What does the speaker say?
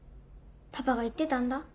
パパが言ってたんだ。